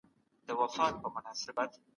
سندرې د ذهني زوال لرونکو کسانو لپاره مرسته کوي.